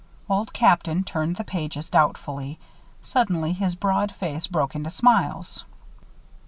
Old Captain turned the pages, doubtfully. Suddenly his broad face broke into smiles.